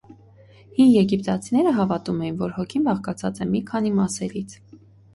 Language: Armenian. Հին եգիպտացիները հավատում էին, որ հոգին բաղկացած է մի քանի մասերից։